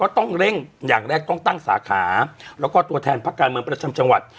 ต้องเร่งอย่างแรกต้องตั้งสาขาแล้วก็ตัวแทนพักการเมืองประจำจังหวัด